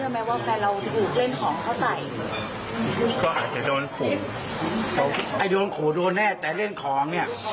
เมื่อยครับเมื่อยครับ